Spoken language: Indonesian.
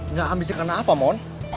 nggak ambisi karena apa mohon